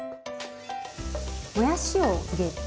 もやしを入れて。